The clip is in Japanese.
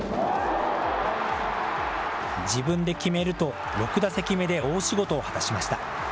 自分で決めると、６打席目で大仕事を果たしました。